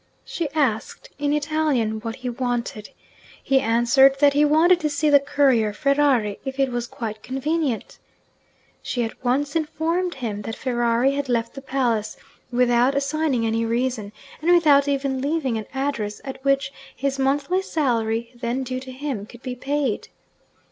She asked, in Italian, what he wanted. He answered that he wanted to see the courier Ferrari, if it was quite convenient. She at once informed him that Ferrari had left the palace, without assigning any reason, and without even leaving an address at which his monthly salary (then due to him) could be paid.